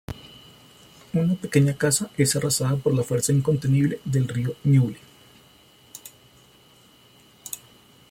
Una pequeña casa es arrasada por la fuerza incontenible del río Ñuble.